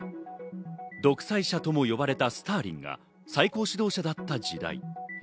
独裁者とも呼ばれたスターリンが最高指導者だった時代。